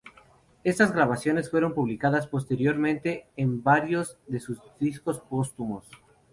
Estas grabaciones fueron publicadas posteriormente en varios de sus discos póstumos.